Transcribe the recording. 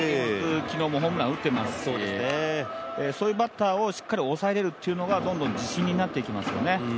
昨日もホームランを打っていますしそういうバッターをしっかり抑えれるっていうのが、どんどん自信になっていますよね。